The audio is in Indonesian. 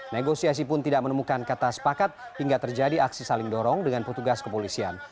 negosiasi pun tidak menemukan kata sepakat hingga terjadi aksi saling dorong dengan petugas kepolisian